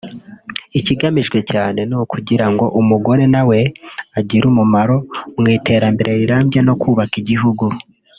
Ikigamijwe cyane ni ukugira ngo umugore nawe agire umumaro mu iterambere rirambye no kubaka igihugu